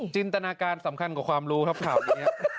จินตนาการสำคัญกว่าความรู้ครับข่าวนี้